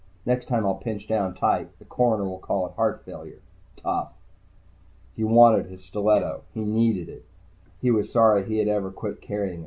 "Next time I'll pinch down tight. The coroner will call it heart failure. Tough." He wanted his stiletto. He needed it. He was sorry he had ever quit carrying it.